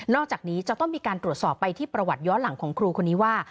อกจากนี้จะต้องมีการตรวจสอบไปที่ประวัติย้อนหลังของครูคนนี้ว่า